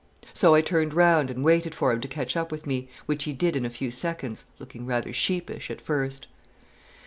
So I turned round and waited for him to catch up with me, which he did in a few seconds, looking rather sheepish at first.